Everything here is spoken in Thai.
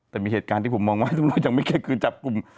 แต่มีเหตุการณ์ที่ผมมองว่าตำรวจยังไม่คิดคือจับกลุ่ม